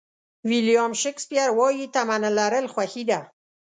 ویلیام شکسپیر وایي تمه نه لرل خوښي ده.